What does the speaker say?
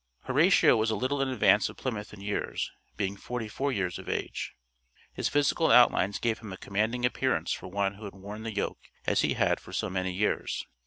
Horatio was a little in advance of Plymouth in years, being forty four years of age. His physical outlines gave him a commanding appearance for one who had worn the yoke as he had for so many years.